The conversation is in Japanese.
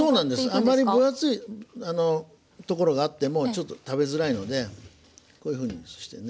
あまり分厚い所があってもちょっと食べづらいのでこういうふうにしてね